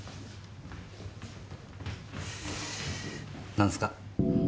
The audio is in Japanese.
何すか？